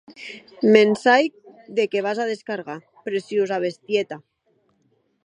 Me’n sai de qué vas a descargar, preciosa bestieta.